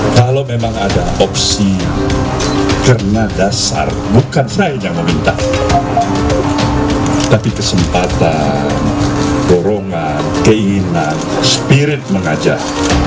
kalau memang ada opsi karena dasar bukan saya yang meminta tapi kesempatan dorongan keinginan spirit mengajak